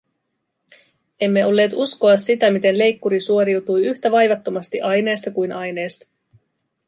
Emme olleet uskoa sitä, miten leikkuri suoriutui yhtä vaivattomasti aineesta kuin aineesta.